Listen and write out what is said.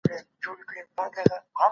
کله به نړیواله ټولنه نوی ولسمشر تایید کړي؟